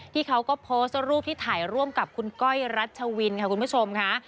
เขาก็โพสต์รูปที่ถ่ายร่วมกับคุณก้อยรัชวินค่ะคุณผู้ชมค่ะ